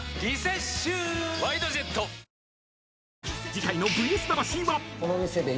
［次回の『ＶＳ魂』は］